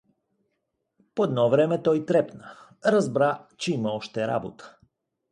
По едно време той трепна — разбра, че има още работа.